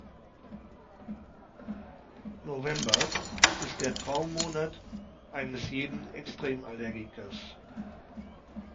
November ist der Traummonat eines jeden Extremallergikers.